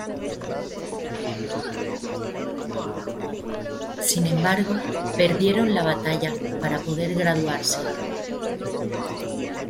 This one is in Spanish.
Sin embargo, perdieron la batalla para poder graduarse.